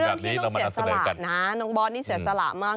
เป็นเรื่องที่น้องบอสเสียสละมาก